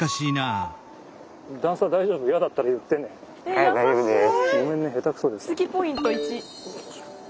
はい大丈夫です。